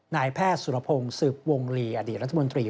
นายแพทย์สุรพงศ์สืบวงลีอดีตรัฐมนตรี